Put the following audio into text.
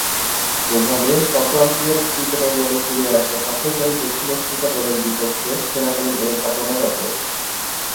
ওভালে সদ্য আন্তর্জাতিক ক্রিকেট অঙ্গনে ফিরে আসা সফরকারী দক্ষিণ আফ্রিকা দলের বিপক্ষে খেলাকালীন এ ঘটনা ঘটে।